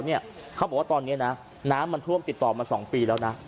เขาบอกว่าตอนนี้นะน้ำมันท่วมติดต่อมา๒ปีแล้วนะ